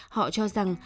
họ cho rằng